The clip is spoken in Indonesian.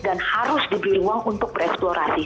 dan harus dibiarkan uang untuk bereksplorasi